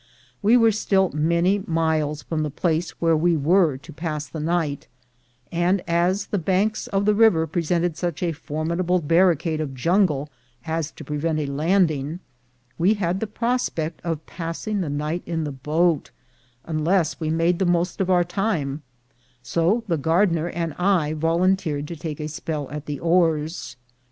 We were still many miles from the place where we were to pass the night, and as the banks of the river presented such a formidable barricade of jungle as to prevent a landing, we had the prospect of passing the night in the boat, unless we made the most of our time; so the gardener and I volunteered to take a spell at the oars.